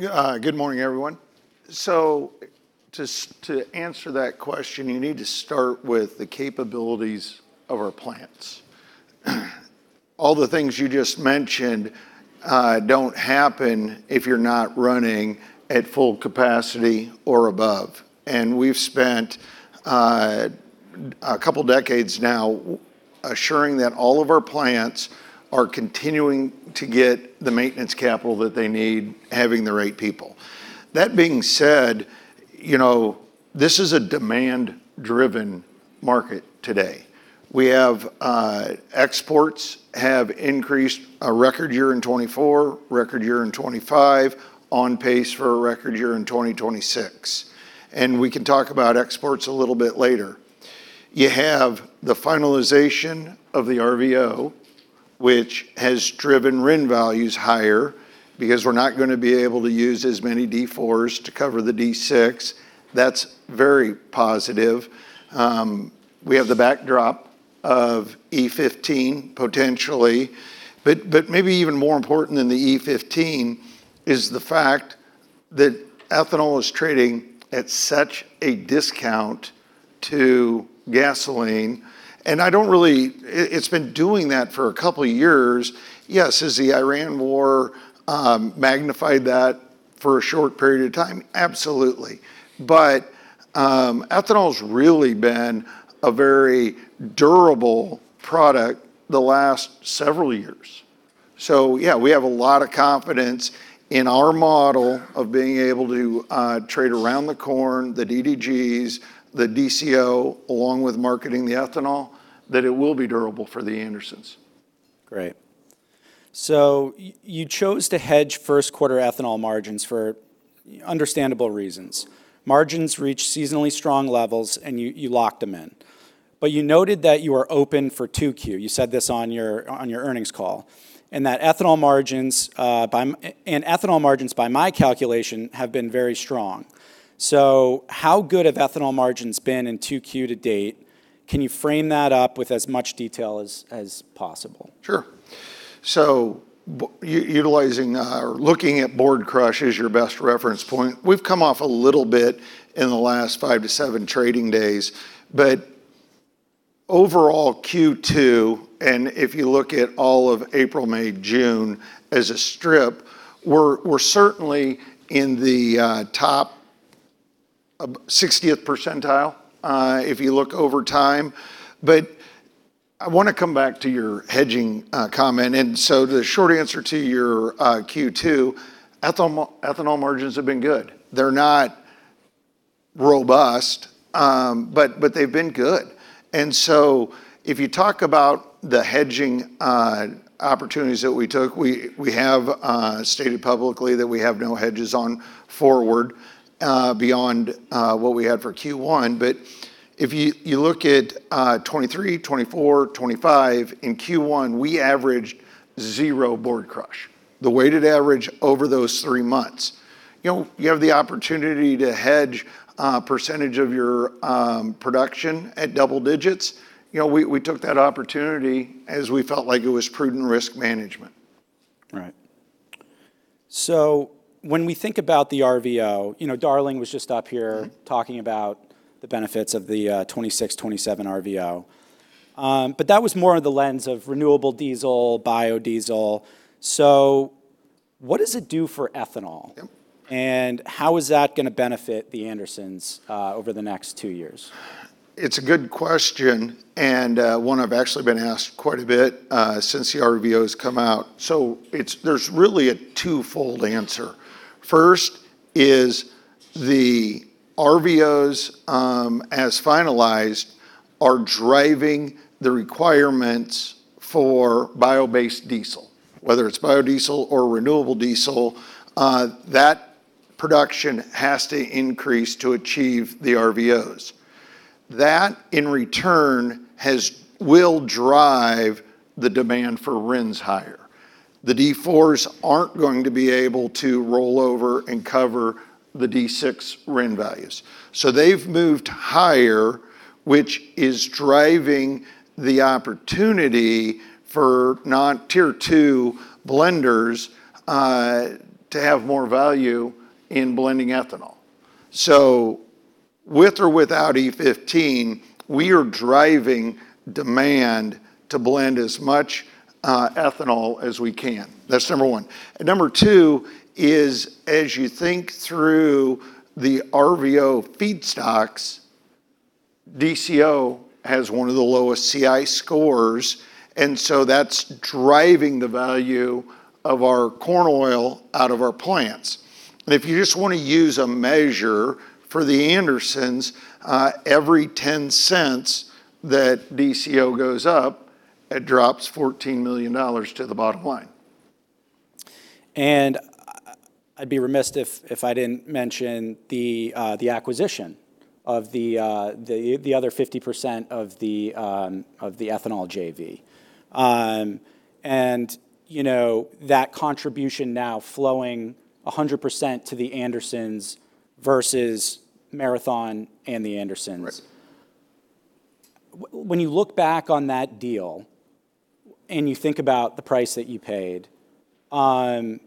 Good morning, everyone. To answer that question, you need to start with the capabilities of our plants. All the things you just mentioned don't happen if you're not running at full capacity or above. We've spent a couple decades now assuring that all of our plants are continuing to get the maintenance capital that they need, having the right people. That being said, you know, this is a demand driven market today. We have exports have increased a record year in 2024, record year in 2025, on pace for a record year in 2026, and we can talk about exports a little bit later. You have the finalization of the RVO, which has driven RIN values higher because we're not gonna be able to use as many D4s to cover the D6. That's very positive. We have the backdrop of E15 potentially, but maybe even more important than the E15 is the fact that ethanol is trading at such a discount to gasoline, and I don't really it's been doing that for a couple years. Yes, has the Iran war magnified that for a short period of time? Absolutely. Ethanol's really been a very durable product the last several years. Yeah, we have a lot of confidence in our model of being able to trade around the corn, the DDGs, the DCO, along with marketing the ethanol, that it will be durable for The Andersons. Great. You chose to hedge first quarter ethanol margins for understandable reasons. Margins reached seasonally strong levels and you locked them in. You noted that you are open for 2Q, you said this on your earnings call, and that ethanol margins by my calculation have been very strong. How good have ethanol margins been in 2Q to date? Can you frame that up with as much detail as possible? Sure. Utilizing or looking at board crush as your best reference point, we've come off a little bit in the last five to seven trading days. Overall Q2, and if you look at all of April, May, June as a strip, we're certainly in the top ab 60th percentile if you look over time. I wanna come back to your hedging comment. The short answer to your Q2, ethanol margins have been good. They're not robust, but they've been good. If you talk about the hedging opportunities that we took, we have stated publicly that we have no hedges on forward beyond what we had for Q1. If you look at 2023, 2024, 2025, in Q1, we averaged zero board crush. The weighted average over those three months. You know, you have the opportunity to hedge a percentage of your production at double digits. You know, we took that opportunity as we felt like it was prudent risk management. Right. When we think about the RVO, you know, Darling was just up here talking about the benefits of the 2026, 2027 RVO. That was more on the lens of renewable diesel, biodiesel. What does it do for ethanol? Yep. How is that gonna benefit The Andersons, over the next two years? It's a good question, and one I've actually been asked quite a bit since the RVOs come out. There's really a twofold answer. First is the RVOs, as finalized, are driving the requirements for bio-based diesel. Whether it's biodiesel or renewable diesel, that production has to increase to achieve the RVOs. That, in return, will drive the demand for RINs higher. The D4s aren't going to be able to roll over and cover the D6 RIN values. They've moved higher, which is driving the opportunity for non Tier 2 blenders to have more value in blending ethanol. With or without E15, we are driving demand to blend as much ethanol as we can. That's number one. Number two is, as you think through the RVO feedstocks, DCO has one of the lowest CI scores. That's driving the value of our corn oil out of our plants. If you just wanna use a measure for The Andersons, every $0.10 that DCO goes up, it drops $14 million to the bottom line. I'd be remiss if I didn't mention the acquisition of the other 50% of the ethanol JV. You know, that contribution now flowing 100% to The Andersons versus Marathon and The Andersons. When you look back on that deal and you think about the price that you paid, I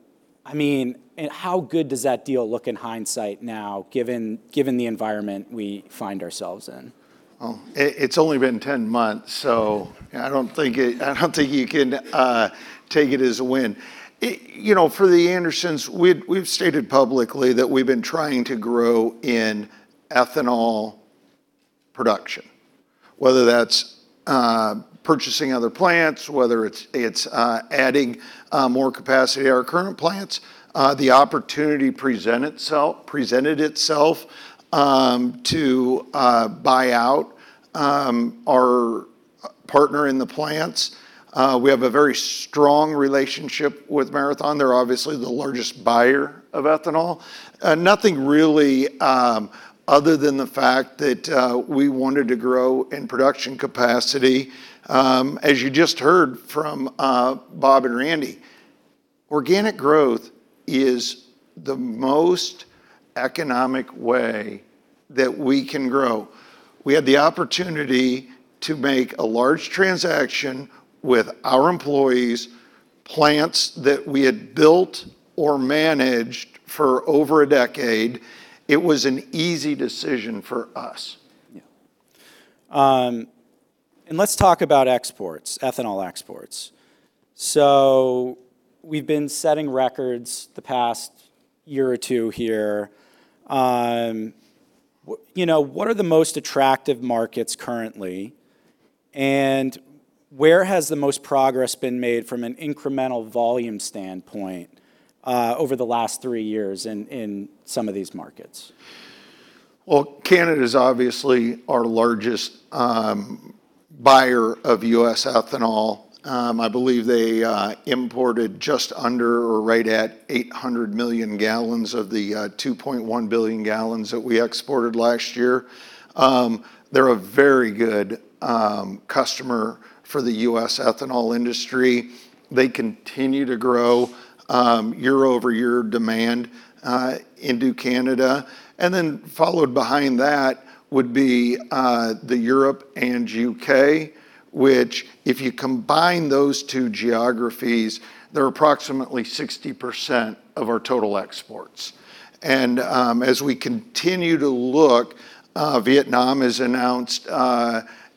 mean, how good does that deal look in hindsight now, given the environment we find ourselves in? Well, it's only been 10 months. I don't think you can take it as a win. You know, for The Andersons, we've stated publicly that we've been trying to grow in ethanol production, whether that's purchasing other plants, whether it's adding more capacity at our current plants. The opportunity presented itself to buy out our partner in the plants. We have a very strong relationship with Marathon. They're obviously the largest buyer of ethanol. Nothing really other than the fact that we wanted to grow in production capacity. As you just heard from Bob and Randy, organic growth is the most economic way that we can grow. We had the opportunity to make a large transaction with our employees, plants that we had built or managed for over a decade. It was an easy decision for us. Yeah. Let's talk about exports, ethanol exports. We've been setting records the past year or two here. You know, what are the most attractive markets currently, and where has the most progress been made from an incremental volume standpoint, over the last three years in some of these markets? Well, Canada's obviously our largest buyer of U.S. ethanol. I believe they imported just under or right at 800 million gallons of the 2.1 billion gallons that we exported last year. They're a very good customer for the U.S. ethanol industry. They continue to grow year-over-year demand into Canada. Followed behind that would be the Europe and U.K., which if you combine those two geographies, they're approximately 60% of our total exports. As we continue to look, Vietnam has announced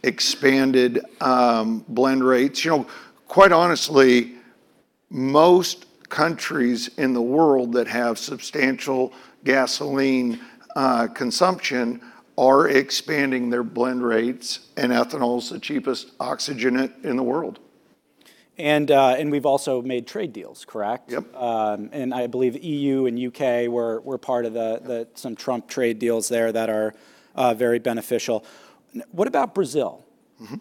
expanded blend rates. You know, quite honestly, most countries in the world that have substantial gasoline consumption are expanding their blend rates, ethanol's the cheapest oxygenate in the world. We've also made trade deals, correct? Yep. I believe EU and U.K. were part of the some Trump trade deals there that are very beneficial. What about Brazil?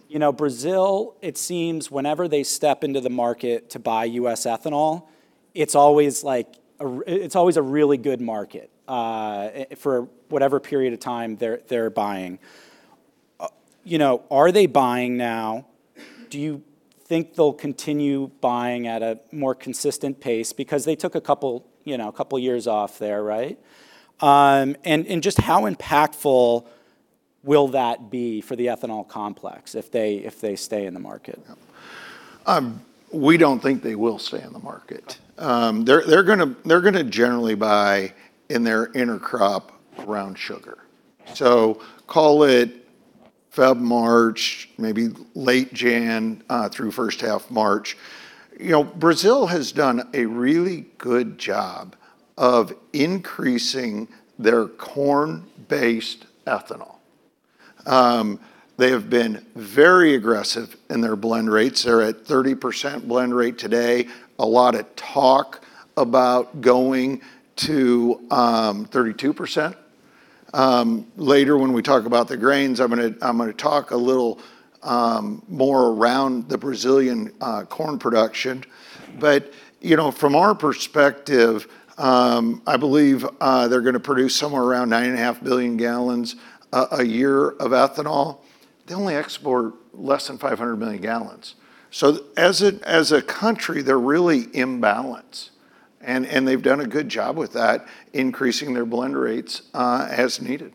You know, Brazil, it seems whenever they step into the market to buy U.S. ethanol, it's always like it's always a really good market for whatever period of time they're buying. You know, are they buying now? Do you think they'll continue buying at a more consistent pace? Because they took a couple, you know, couple years off there, right? Just how impactful will that be for the ethanol complex if they, if they stay in the market? Yep. We don't think they will stay in the market. They're gonna generally buy in their intercrop around sugar. Call it February, March, maybe late January, through first half March. You know, Brazil has done a really good job of increasing their corn-based ethanol. They have been very aggressive in their blend rates. They're at 30% blend rate today. A lot of talk about going to 32%. Later when we talk about the grains, I'm gonna talk a little more around the Brazilian corn production. You know, from our perspective, I believe they're gonna produce somewhere around 9.5 billion gallons a year of ethanol. They only export less than 500 million gallons. As a country, they're really imbalanced and they've done a good job with that, increasing their blend rates as needed.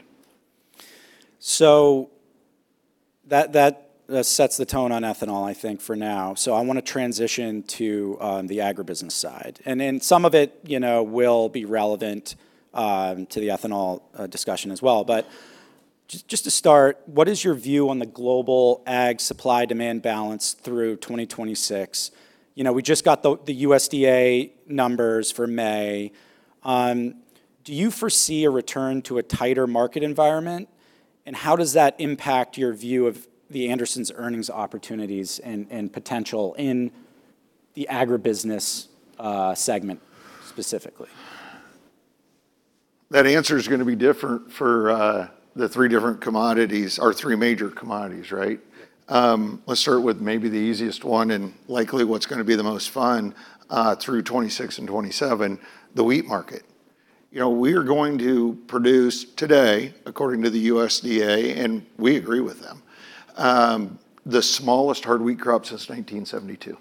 That sets the tone on ethanol, I think, for now. I wanna transition to the agribusiness side. Then some of it, you know, will be relevant to the ethanol discussion as well. Just to start, what is your view on the global ag supply-demand balance through 2026? You know, we just got the USDA numbers for May. Do you foresee a return to a tighter market environment? How does that impact your view of The Andersons' earnings opportunities and potential in the agribusiness segment specifically? That answer is gonna be different for the three different commodities, or three major commodities, right? Let's start with maybe the easiest one and likely what's gonna be the most fun through 2026 and 2027, the wheat market. You know, we are going to produce today, according to the USDA, and we agree with them, the smallest hard wheat crop since 1972.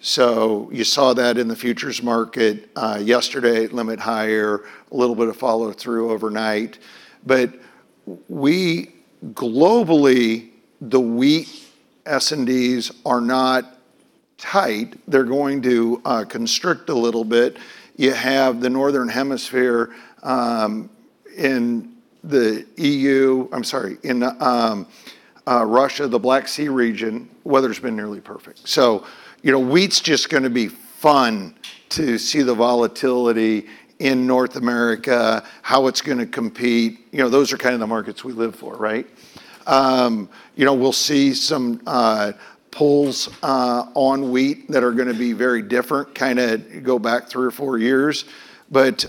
You saw that in the futures market yesterday, limit higher, a little bit of follow-through overnight. We globally, the wheat S&Ds are not tight. They're going to constrict a little bit. You have the northern hemisphere, in the EU, I'm sorry, in Russia, the Black Sea region, weather's been nearly perfect. You know, wheat's just gonna be fun to see the volatility in North America, how it's gonna compete. You know, those are kinda the markets we live for, right? You know, we'll see some pulls on wheat that are gonna be very different, kinda go back three or four years.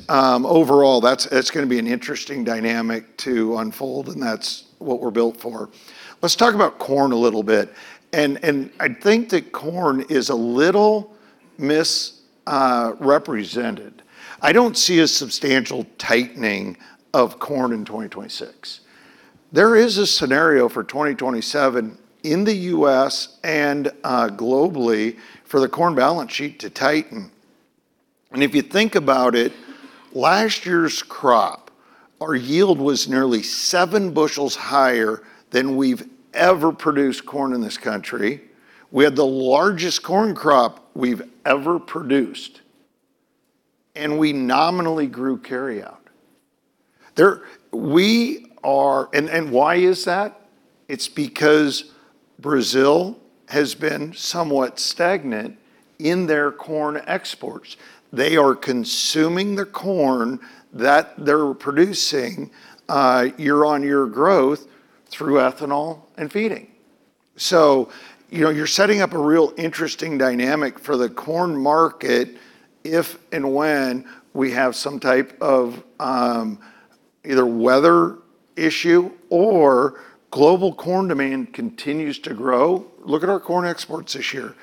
Overall, it's gonna be an interesting dynamic to unfold, and that's what we're built for. Let's talk about corn a little bit. I think that corn is a little misrepresented. I don't see a substantial tightening of corn in 2026. There is a scenario for 2027 in the U.S. and globally for the corn balance sheet to tighten. If you think about it, last year's crop, our yield was nearly seven bushels higher than we've ever produced corn in this country. We had the largest corn crop we've ever produced, and we nominally grew carryout. There, we are. Why is that? It's because Brazil has been somewhat stagnant in their corn exports. They are consuming the corn that they're producing, year-on-year growth through ethanol and feeding. You know, you're setting up a real interesting dynamic for the corn market if and when we have some type of either weather issue or global corn demand continues to grow. Look at our corn exports this year.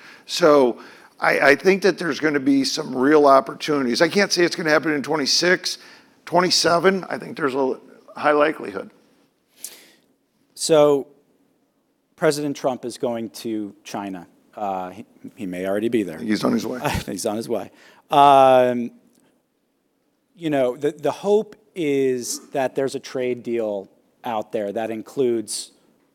I think that there's gonna be some real opportunities. I can't say it's gonna happen in 2026. 2027, I think there's a high likelihood. President Trump is going to China. He may already be there. He's on his way. He's on his way. You know, the hope is that there's a trade deal out there that includes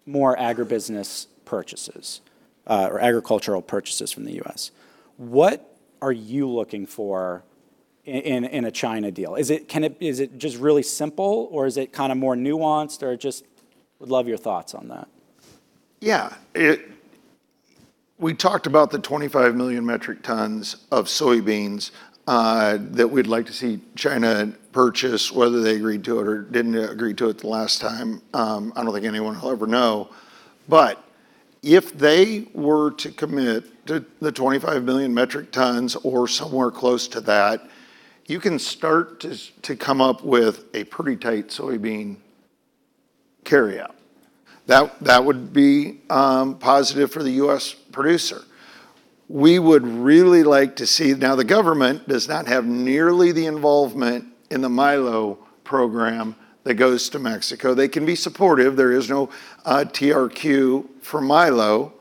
more agribusiness purchases, or agricultural purchases from the U.S. What are you looking for in a China deal? Is it just really simple, or is it kinda more nuanced, or just Would love your thoughts on that. Yeah. We talked about the 25 million metric tons of soybeans that we'd like to see China purchase, whether they agreed to it or didn't agree to it the last time. I don't think anyone will ever know. If they were to commit to the 25 million metric tons or somewhere close to that, you can start to come up with a pretty tight soybean carryout. That would be positive for the U.S. producer. We would really like to see the government does not have nearly the involvement in the milo program that goes to Mexico. They can be supportive. There is no TRQ for milo,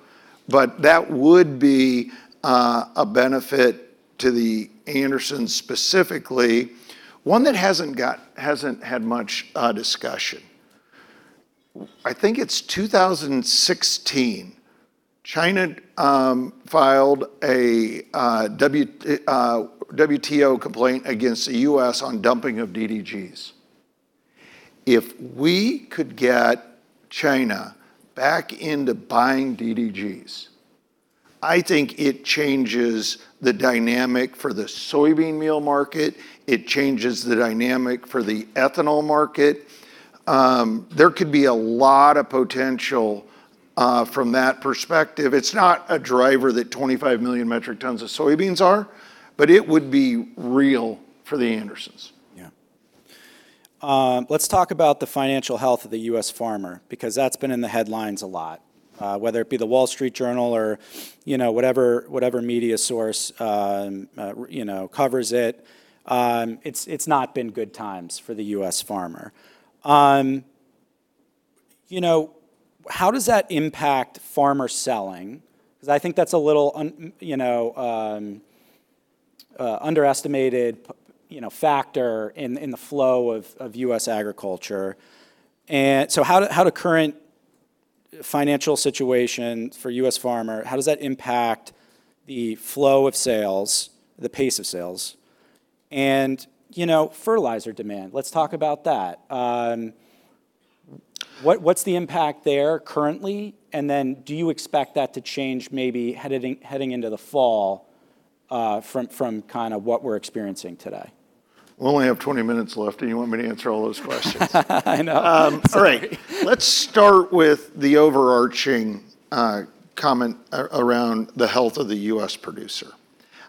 that would be a benefit to The Andersons specifically. One that hasn't got, hasn't had much discussion, I think it's 2016, China filed a WTO complaint against the U.S. on dumping of DDGs. If we could get China back into buying DDGs, I think it changes the dynamic for the soybean meal market, it changes the dynamic for the ethanol market. There could be a lot of potential from that perspective. It's not a driver that 25 million metric tons of soybeans are, it would be real for The Andersons. Yeah. Let's talk about the financial health of the U.S. farmer, because that's been in the headlines a lot, whether it be The Wall Street Journal or, you know, whatever media source, you know, covers it. It's not been good times for the U.S. farmer. You know, how does that impact farmer selling? Because I think that's a little you know, underestimated you know, factor in the flow of U.S. agriculture. How do current financial situation for U.S. farmer, how does that impact the flow of sales, the pace of sales? You know, fertilizer demand, let's talk about that. What's the impact there currently? Do you expect that to change maybe heading into the fall, from kind of what we're experiencing today? We only have 20 minutes left, and you want me to answer all those questions? I know. I'm sorry. All right. Let's start with the overarching comment around the health of the U.S. producer.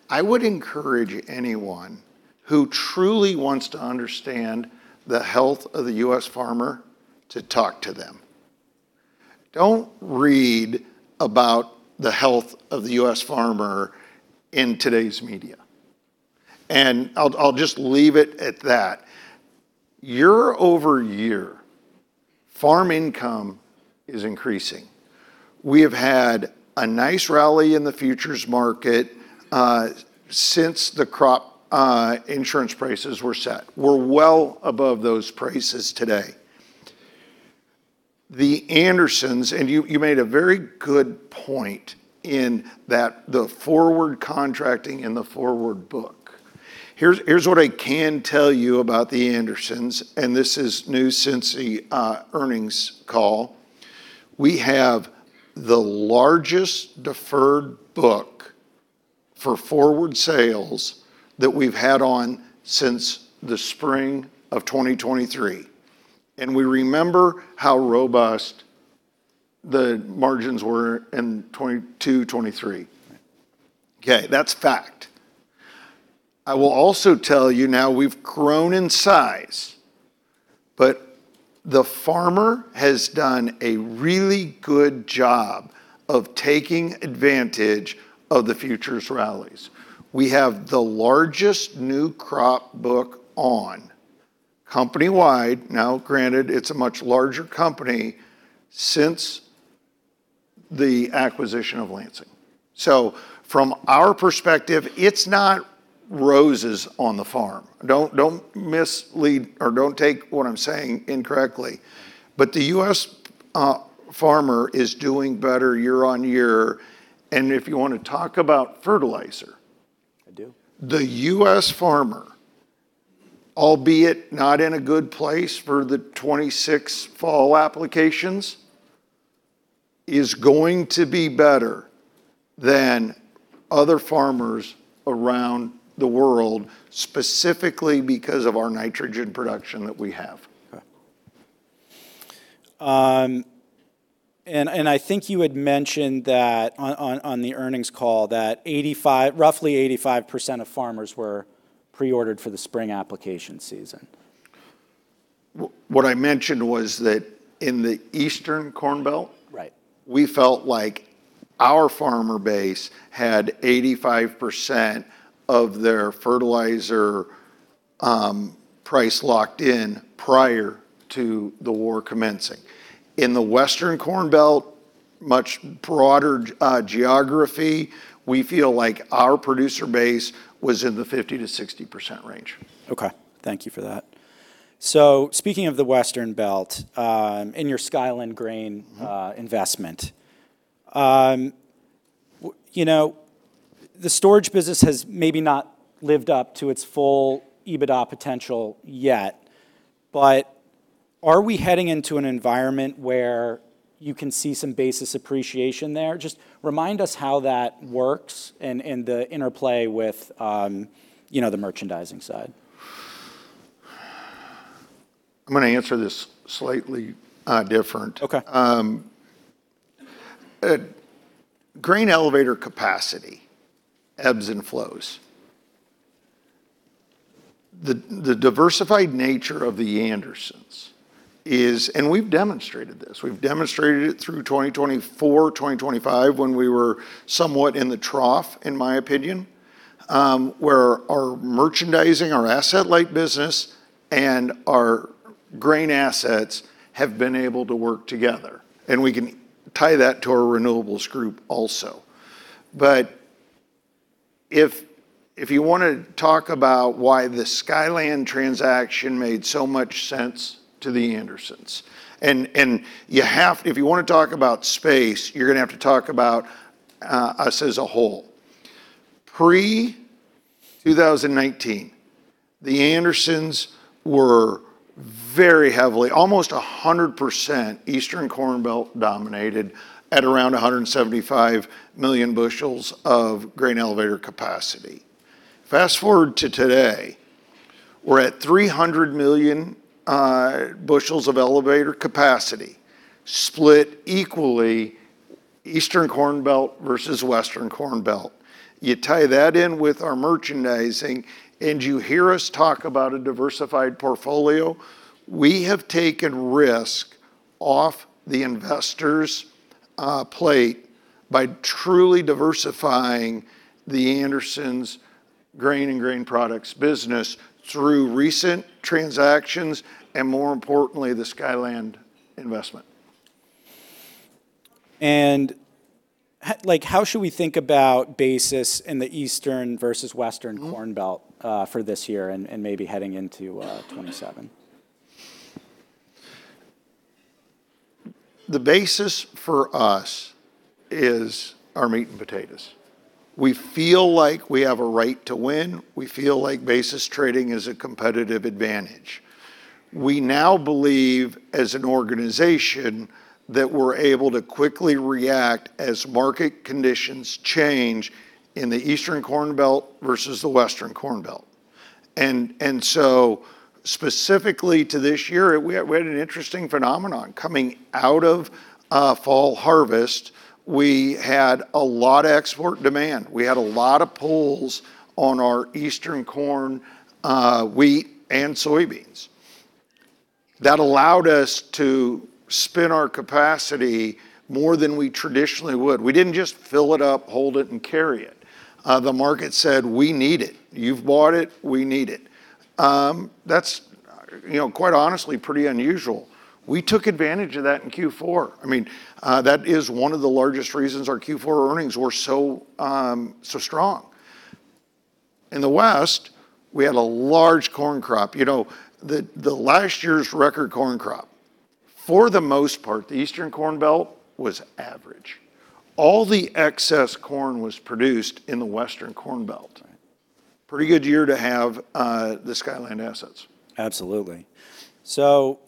I would encourage anyone who truly wants to understand the health of the U.S. farmer to talk to them. Don't read about the health of the U.S. farmer in today's media. I'll just leave it at that. Year-over-year, farm income is increasing. We have had a nice rally in the futures market since the crop insurance prices were set. We're well above those prices today. The Andersons, and you made a very good point in that the forward contracting and the forward book. Here's what I can tell you about The Andersons, and this is news since the earnings call. We have the largest deferred book for forward sales that we've had on since the spring of 2023, and we remember how robust the margins were in 2022, 2023. Okay, that's fact. I will also tell you now we've grown in size, but the farmer has done a really good job of taking advantage of the futures rallies. We have the largest new crop book on company-wide. Now granted, it's a much larger company since the acquisition of Lansing. From our perspective, it's not roses on the farm. Don't mislead or don't take what I'm saying incorrectly, but the U.S. farmer is doing better year-on-year. If you wanna talk about fertilizer- I do. The U.S. farmer, albeit not in a good place for the 2026 fall applications, is going to be better than other farmers around the world, specifically because of our nitrogen production that we have. Okay. I think you had mentioned that on the earnings call that 85%, roughly 85% of farmers were pre-ordered for the spring application season. What I mentioned was that in the Eastern Corn Belt. Right we felt like our farmer base had 85% of their fertilizer price locked in prior to the war commencing. In the Western Corn Belt, much broader geography, we feel like our producer base was in the 50%-60% range. Okay. Thank you for that. Speaking of the Western Belt, in your Skyland Grain. Investment, you know, the storage business has maybe not lived up to its full EBITDA potential yet, but are we heading into an environment where you can see some basis appreciation there? Just remind us how that works and the interplay with, you know, the merchandising side. I'm gonna answer this slightly different. Okay. Grain elevator capacity ebbs and flows. The diversified nature of The Andersons is. We've demonstrated this, we've demonstrated it through 2024, 2025, when we were somewhat in the trough, in my opinion, where our merchandising, our asset-light business, and our grain assets have been able to work together. We can tie that to our renewables group also. If you want to talk about why the Skyland transaction made so much sense to The Andersons, and you have. If you want to talk about space, you're going to have to talk about us as a whole. Pre-2019, The Andersons were very heavily, almost 100% Eastern Corn Belt dominated at around 175 million bushels of grain elevator capacity. Fast-forward to today, we're at 300 million bushels of elevator capacity split equally Eastern Corn Belt versus Western Corn Belt. You tie that in with our merchandising, you hear us talk about a diversified portfolio. We have taken risk off the investor's plate by truly diversifying The Andersons grain and grain products business through recent transactions, and more importantly, the Skyland investment. Like, how should we think about basis in the Eastern versus Western? Corn Belt, for this year and maybe heading into 2027? The basis for us is our meat and potatoes. We feel like we have a right to win. We feel like basis trading is a competitive advantage. We now believe as an organization that we're able to quickly react as market conditions change in the Eastern Corn Belt versus the Western Corn Belt. Specifically to this year, we had an interesting phenomenon. Coming out of fall harvest, we had a lot of export demand. We had a lot of pulls on our Eastern corn, wheat, and soybeans. That allowed us to spin our capacity more than we traditionally would. We didn't just fill it up, hold it, and carry it. The market said, "We need it. You've bought it. We need it." That's, you know, quite honestly pretty unusual. We took advantage of that in Q4. I mean, that is one of the largest reasons our Q4 earnings were so strong. In the West, we had a large corn crop. You know, the last year's record corn crop, for the most part, the Eastern Corn Belt was average. All the excess corn was produced in the Western Corn Belt. Right. Pretty good year to have the Skyland assets. Absolutely. We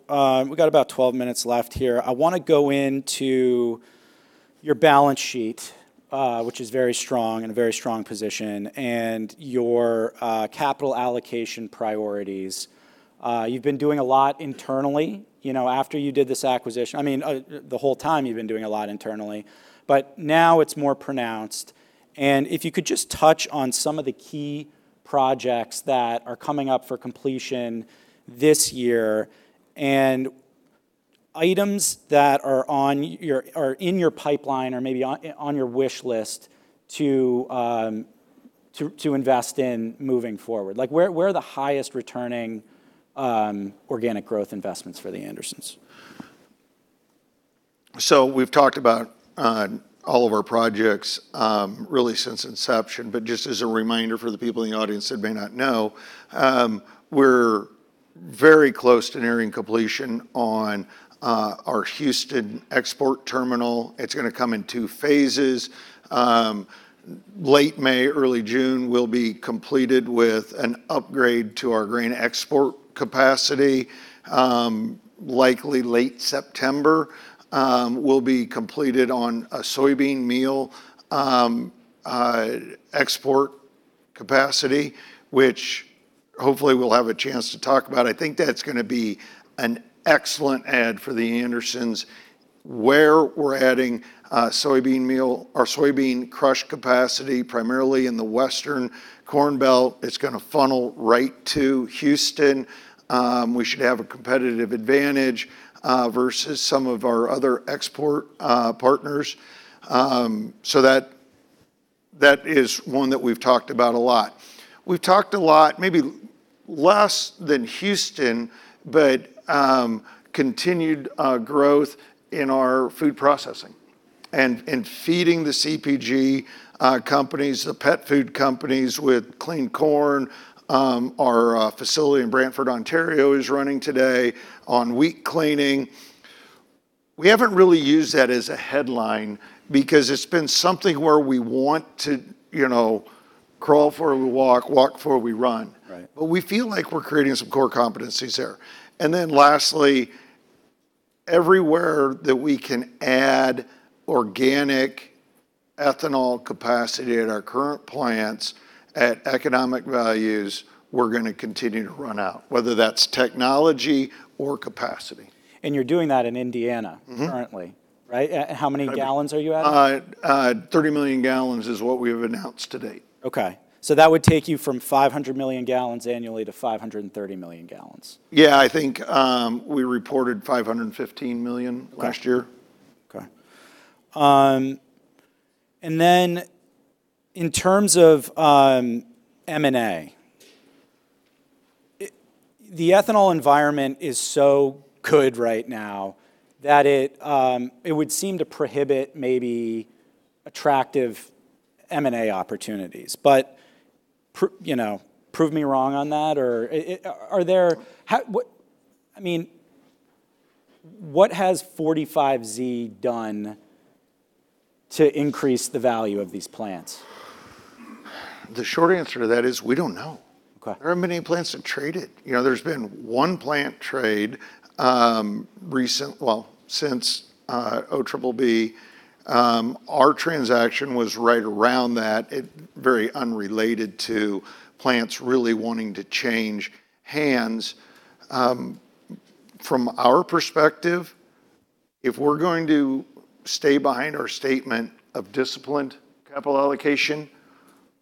got about 12 minutes left here. I wanna go into your balance sheet, which is very strong and a very strong position, and your capital allocation priorities. You've been doing a lot internally, you know, after you did this acquisition. I mean, the whole time you've been doing a lot internally, now it's more pronounced. If you could just touch on some of the key projects that are coming up for completion this year, and items that are in your pipeline, or maybe on your wish list to invest in moving forward. Like, where are the highest returning organic growth investments for The Andersons? We've talked about all of our projects really since inception, but just as a reminder for the people in the audience that may not know, we're very close to nearing completion on our Houston export terminal. It's gonna come in two phases. Late May, early June will be completed with an upgrade to our grain export capacity. Likely late September will be completed on a soybean meal export capacity, which hopefully we'll have a chance to talk about. I think that's gonna be an excellent add for The Andersons. Where we're adding soybean meal or soybean crush capacity, primarily in the Western Corn Belt, it's gonna funnel right to Houston. We should have a competitive advantage versus some of our other export partners. That is one that we've talked about a lot. We've talked a lot, maybe less than Houston, but continued growth in our food processing and feeding the CPG companies, the pet food companies with clean corn. Our facility in Brantford, Ontario is running today on wheat cleaning. We haven't really used that as a headline because it's been something where we want to, you know, crawl before we walk before we run. Right. We feel like we're creating some core competencies there. Lastly, everywhere that we can add organic ethanol capacity at our current plants at economic values, we're gonna continue to run out, whether that's technology or capacity. You're doing that in Indiana. Currently, right? How many gallons are you at? 30 million gallons is what we have announced to date. Okay. That would take you from 500 million gallons annually to 530 million gallons. I think, we reported $515 million last year. Okay. Okay. In terms of M&A, The ethanol environment is so good right now that it would seem to prohibit maybe attractive M&A opportunities. You know, prove me wrong on that. Are there What I mean, what has 45Z done to increase the value of these plants? The short answer to that is we don't know. Okay. There aren't many plants that trade it. You know, there's been one plant trade, recent, well, since OBBB. Our transaction was right around that, very unrelated to plants really wanting to change hands. From our perspective, if we're going to stay behind our statement of disciplined capital allocation,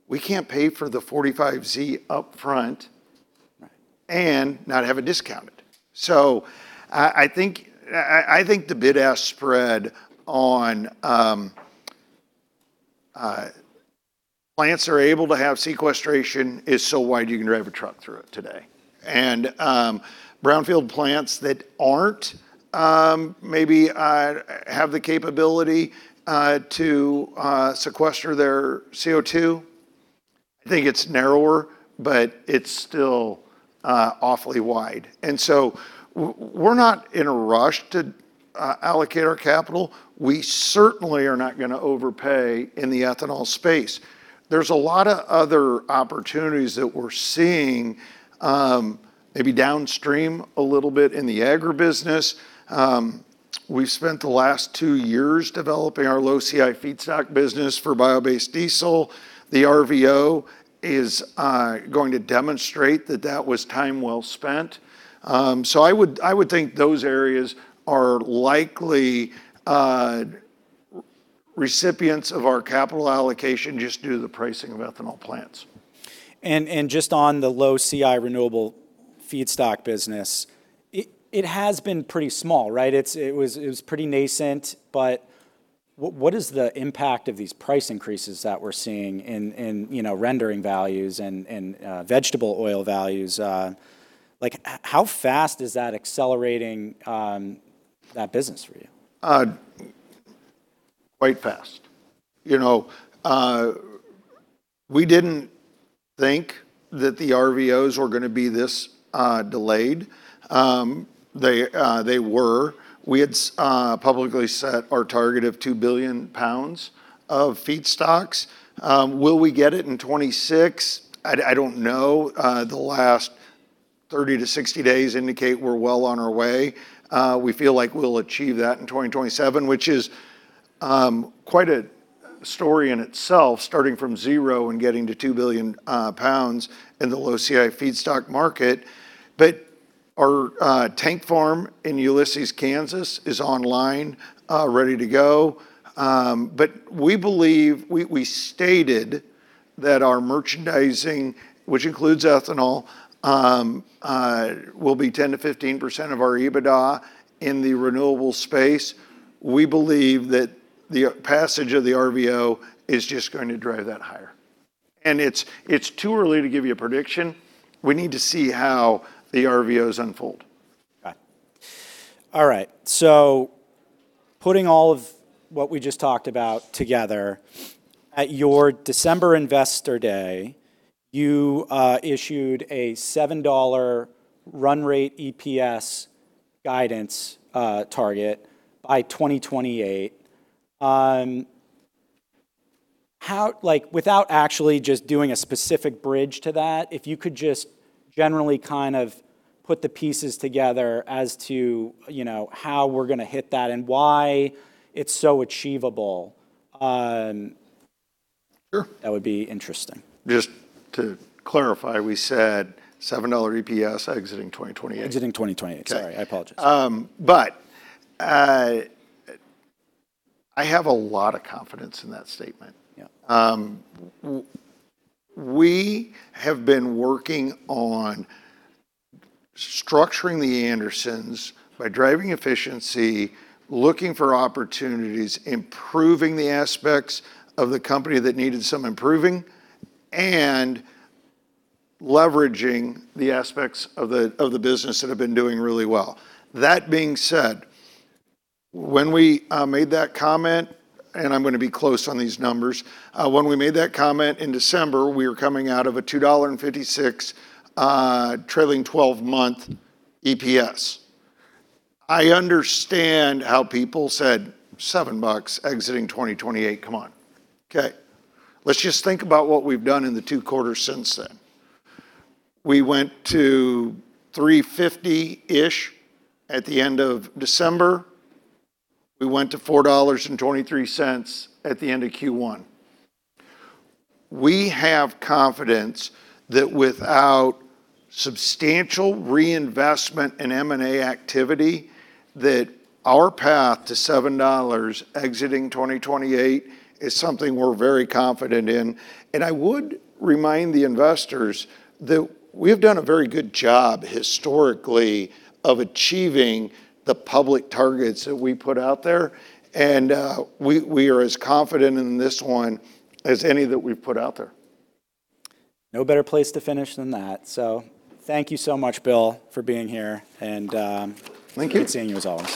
we can't pay for the 45Z upfront- Right Not have it discounted. I think the bid-ask spread on plants that are able to have sequestration is so wide you can drive a truck through it today. Brownfield plants that aren't maybe have the capability to sequester their CO2, I think it's narrower, but it's still awfully wide. We're not in a rush to allocate our capital. We certainly are not gonna overpay in the ethanol space. There's a lot of other opportunities that we're seeing, maybe downstream a little bit in the agribusiness. We've spent the last two years developing our low CI feedstock business for bio-based diesel. The RVO is going to demonstrate that that was time well spent. I would think those areas are likely recipients of our capital allocation just due to the pricing of ethanol plants. Just on the low CI renewable feedstock business, it has been pretty small, right? It was pretty nascent, what is the impact of these price increases that we're seeing in, you know, rendering values and, vegetable oil values? Like, how fast is that accelerating that business for you? Quite fast. You know, we didn't think that the RVOs were gonna be this delayed. They were. We had publicly set our target of 2 billion pounds of feedstocks. Will we get it in 2026? I don't know. The last 30-60 days indicate we're well on our way. We feel like we'll achieve that in 2027, which is quite a story in itself, starting from zero and getting to 2 billion pounds in the low CI feedstock market. Our tank farm in Ulysses, Kansas, is online, ready to go. We believe we stated that our merchandising, which includes ethanol, will be 10%-15% of our EBITDA in the renewable space. We believe that the passage of the RVO is just going to drive that higher. It's too early to give you a prediction. We need to see how the RVOs unfold. Got it. All right. Putting all of what we just talked about together, at your December investor day, you issued a $7 run rate EPS guidance target by 2028. How, without actually just doing a specific bridge to that, if you could just generally kind of put the pieces together as to, you know, how we're gonna hit that and why it's so achievable? Sure That would be interesting. Just to clarify, we said $7 EPS exiting 2028. Exiting 2028. Okay. Sorry. I apologize. I have a lot of confidence in that statement. Yeah. We have been working on structuring The Andersons by driving efficiency, looking for opportunities, improving the aspects of the company that needed some improving, and leveraging the aspects of the business that have been doing really well. That being said, when we made that comment, and I'm gonna be close on these numbers, when we made that comment in December, we were coming out of a $2.56 trailing 12-month EPS. I understand how people said, "$7 exiting 2028? Come on.". Okay. Let's just think about what we've done in the two quarters since then. We went to $3.50-ish at the end of December. We went to $4.23 at the end of Q1. We have confidence that without substantial reinvestment in M&A activity, that our path to $7 exiting 2028 is something we're very confident in. I would remind the investors that we have done a very good job historically of achieving the public targets that we put out there, and we are as confident in this one as any that we've put out there. No better place to finish than that. Thank you so much, Bill, for being here. Thank you. Good seeing you as always.